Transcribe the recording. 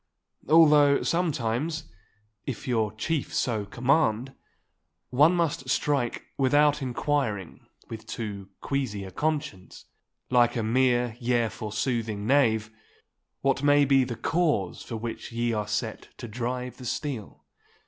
Although sometimes, if your chief so command, one must strike without inquiring with too queasy a conscience, like a mere yea forsoothing knave, what may be the cause for which ye are set to drive the steel.